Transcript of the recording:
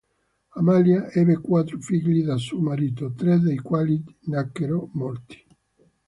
Amalia ebbe quattro figli da suo marito, tre dei quali nacquero morti.